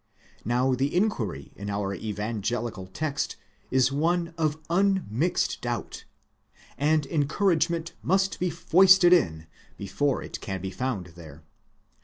Now the inquiry in our evangelical text is one of unmixed doubt, and encouragement must be foisted in, before it can be found there.